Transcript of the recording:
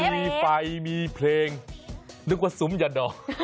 มีไฟมีเพลงนึกว่าซุ้มอย่าดอก